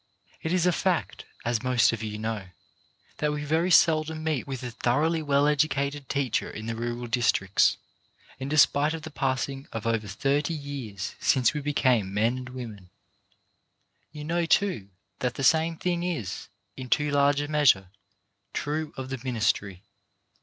It is a fact, as most of you know, that we very seldom meet with a thoroughly well educated teacher in the rural districts, in spite of the pass ing of over thirty years since we became men and women. You know, too, that the same thing is, in too large a measure, true of the ministry.